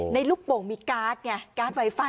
ในลูกโป่งมีการ์ดไฟไฟ